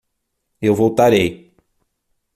Eu voltarei.